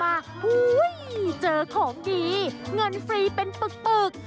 อันนี้ตังค์ใครครับ